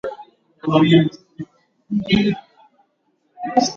imae nchi hiyo imetangaza kuvunja takriban wizara zake tano